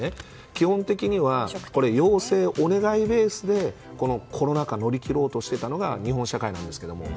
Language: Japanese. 基本的には要請、お願いベースでコロナ禍を乗り切ろうとしていたのが日本社会なんですけれども。